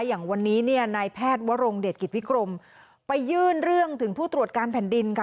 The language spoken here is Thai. อย่างวันนี้เนี่ยนายแพทย์วรงเดชกิจวิกรมไปยื่นเรื่องถึงผู้ตรวจการแผ่นดินค่ะ